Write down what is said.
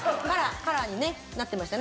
カラーにねなってましたね。